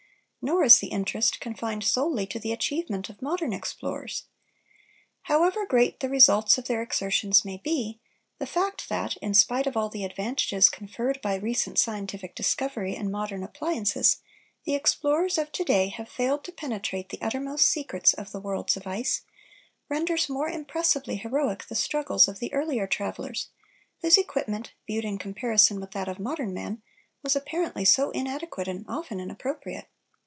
Nor is the interest confined solely to the achievement of modern explorers. However great the results of their exertions may be, the fact that, in spite of all the advantages conferred by recent scientific discovery and modern appliances, the explorers of to day have failed to penetrate the uttermost secrets of the worlds of ice, renders more impressively heroic the struggles of the earlier travellers, whose equipment, viewed in comparison with that of modern man, was apparently so inadequate and often inappropriate.